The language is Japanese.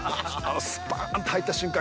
スパーンと入った瞬間